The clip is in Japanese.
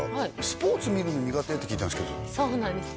スポーツ見るの苦手って聞いたんですけどそうなんです